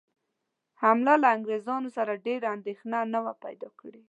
حمله له انګرېزانو سره ډېره اندېښنه نه وه پیدا کړې.